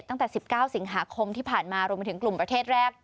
ตั้งแต่๑๙สิงหาคมที่ผ่านมารวมไปถึงกลุ่มประเทศแรก